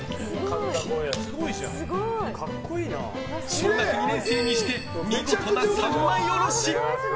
小学２年生にして見事な三枚下ろし。